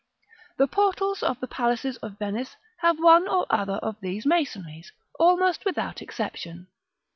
The portals of the palaces of Venice have one or other of these masonries, almost without exception.